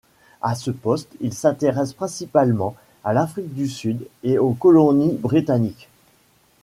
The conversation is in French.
À ce poste, il s'intéresse principalement à l'Afrique du Sud et aux colonies britanniques.